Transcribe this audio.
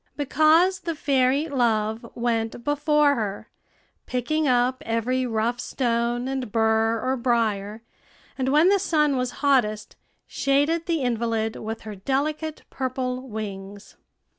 Because the fairy Love went before her, picking up every rough stone and bur or brier, and when the sun was hottest, shaded the invalid with her delicate purple wings.